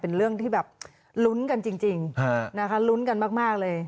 เป็นเรื่องที่แบบลุ้นกันจริงนะคะลุ้นกันมากเลย